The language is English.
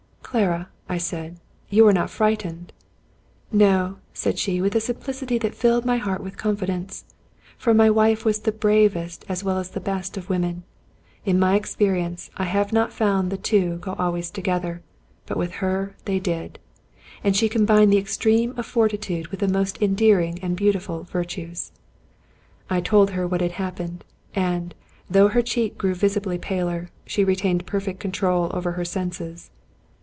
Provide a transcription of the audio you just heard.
" Clara," I said, " you are not frightened !"" No," said she, with a simplicity that filled my heart with confidencCi For my wife was the bravest as well as the best of women ; in my experience, I have not found the two go always together, but with her they did; and she combined the extreme of fortitude with the most endearing and beauti ful virtues. I told her what had happened; and, though her cheek grew visibly paler, she retained perfect control over her senses.